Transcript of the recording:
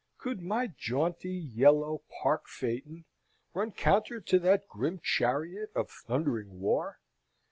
Could my jaunty, yellow park phaeton run counter to that grim chariot of thundering war?